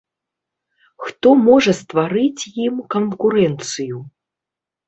Хто можа стварыць ім канкурэнцыю?